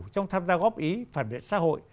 trong tham gia góp ý phản biện xã hội